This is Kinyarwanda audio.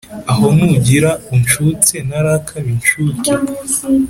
Aho ntugira uncutse Ntarakaba incuke ?